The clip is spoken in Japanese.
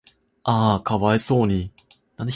嗚呼可哀想に